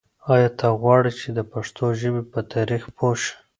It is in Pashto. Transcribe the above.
آیا ته غواړې چې د پښتو ژبې په تاریخ پوه شې؟